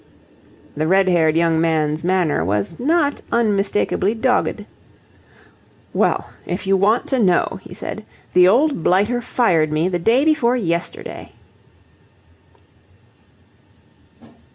The red haired young man's manner was not unmistakably dogged. "Well, if you want to know," he said, "the old blighter fired me the day before yesterday."